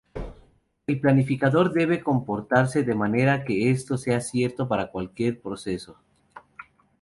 El planificador debe comportarse de manera que esto sea cierto para cualquier proceso.